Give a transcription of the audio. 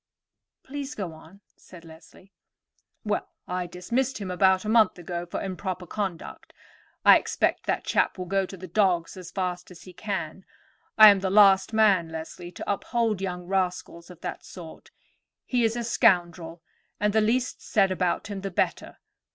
"Please, go on," said Leslie. "Well, I dismissed him a month ago for improper conduct. I expect that chap will go to the dogs as fast as he can. I am the last man, Leslie, to uphold young rascals of that sort. He is a scoundrel, and the least said about him the better.